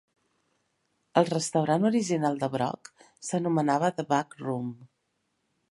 El restaurant original de Brock s'anomenava The Back Room.